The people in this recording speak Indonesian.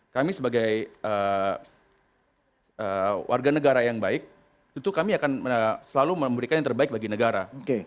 kami sebagai warga negara yang baik itu kami akan selalu memberikan yang terbaik bagi negara